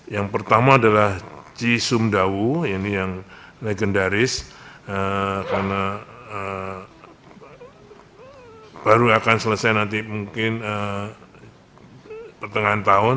yang pertama adalah cisumdawu ini yang legendaris karena baru akan selesai nanti mungkin pertengahan tahun